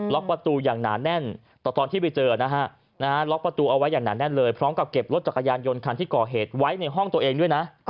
ล็อกประตูอย่างหนาแน่นตอนที่ไปเจอพร้อมกับเก็บรถจักรยานยนท์ที่ก่อเหตุไว้ในห้องตัวเองด้วยนะ